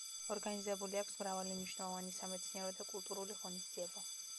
ორგანიზებული აქვს მრავალი მნიშვნელოვანი სამეცნიერო და კულტურული ღონისძიება.